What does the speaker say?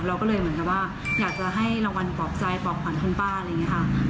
เราก็เลยเหมือนกับว่าอยากจะให้รางวัลปลอบใจปลอบขวัญคุณป้าอะไรอย่างนี้ค่ะ